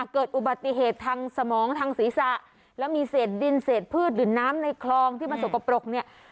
เกิดอุบัติเหตุทางสมองทางศีรษะแล้วมีเศษดินเศษพืชหรือน้ำในคลองที่มันสกปรกเนี่ย